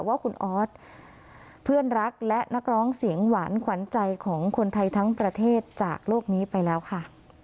ว่าคุณออสเพื่อนรักและนักร้องเสียงหวานขวัญใจของคนไทยทั้งประเทศจากโลกนี้ไปแล้วค่ะ